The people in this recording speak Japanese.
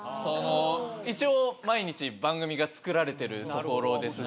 一応毎日番組が作られてるとこですし